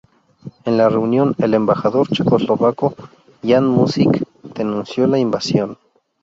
En la reunión, el embajador checoslovaco Jan Muzik denunció la invasión.